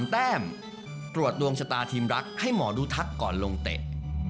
แต้มตรวจดวงชะตาทีมรักให้หมอดูทักก่อนลงเตะ